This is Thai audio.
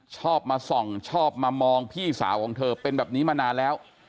ชอบมาส่องชอบมามองพี่สาวของเธอเป็นแบบนี้มานานแล้ว